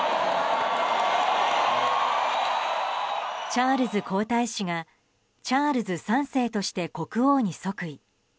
チャールズ皇太子がチャールズ３世として国王に即位。